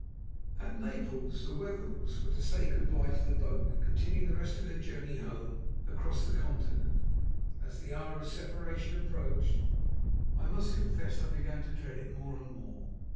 At Naples the Wetherells were to say good bye to the boat, and continue the rest of their journey home across the Continent. As the hour of separation approached, I must confess I began to dread it more and more.